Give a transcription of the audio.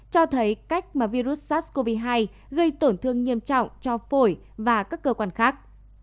cho thấy cách mà virus sars cov hai gây tổn thương nghiêm trọng cho phổi và các cơ quan khác